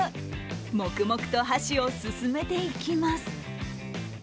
黙々と箸を進めていきます。